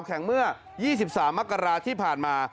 เมื่อ๒๓มกราที่ผ่านมา